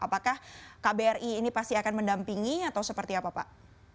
apakah kbri ini pasti akan mendampingi atau seperti apa pak